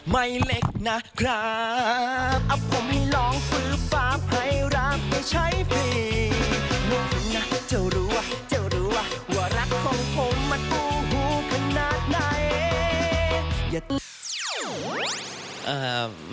ไม่เล็กนะครับ